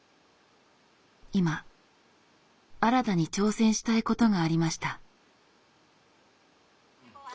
今新たに挑戦したいことがありました。